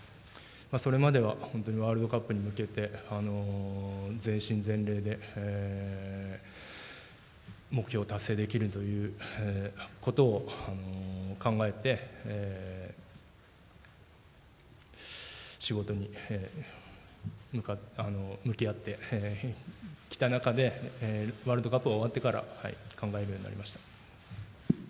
それまでは本当にワールドカップに向けて、全身全霊で目標達成できるということを考えて、仕事に向き合ってきた中で、ワールドカップが終わってから考えるようになりました。